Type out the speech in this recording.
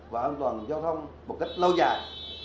và an toàn giao thông một cách lâu dài